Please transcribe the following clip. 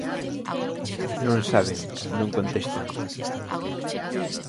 Non saben, non contestan.